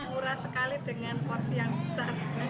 murah sekali dengan porsi yang besar